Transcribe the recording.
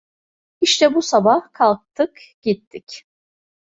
İşte bu sabah kalktık gittik…